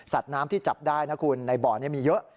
น้ำที่จับได้นะคุณในบ่อนี้มีเยอะ